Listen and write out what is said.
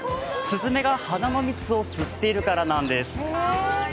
すずめが花の蜜を吸っているからなんです。